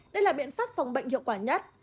đây là biện pháp phòng bệnh hiệu quả nhất